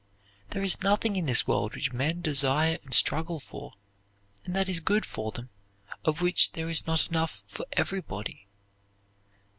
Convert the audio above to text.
There is nothing in this world which men desire and struggle for, and that is good for them, of which there is not enough for everybody.